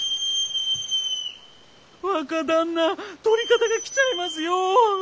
・若旦那捕り方が来ちゃいますよ！